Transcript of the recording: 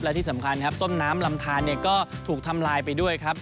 และที่สำคัญครับต้นน้ำลำทานก็ถูกทำลายไปด้วยครับ